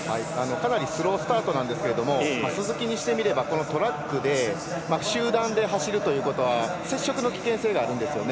かなりスロースタートですが鈴木にしてみればトラックで集団で走るということは接触の危険性があるんですよね。